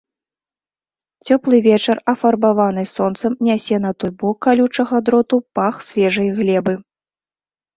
Цёплы вецер, афарбаваны сонцам, нясе на той бок калючага дроту пах свежай глебы.